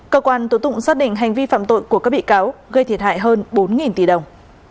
cơ quan tổ tụng xác định hành vi phạm tội của các bị cáo gây thiệt hại hơn bốn tỷ đồng